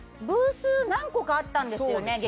ブース何個かあったんですよね